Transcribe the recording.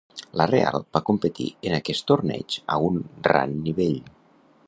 La Real va competir en aquest torneig a un ran nivell.